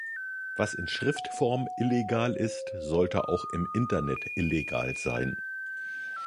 Was in Schriftform illegal ist, sollte auch im Internet illegal sein.